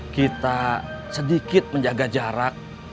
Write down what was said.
kita sedikit menjaga jarak